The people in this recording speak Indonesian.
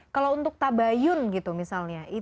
kalau untuk tabayun gitu misalnya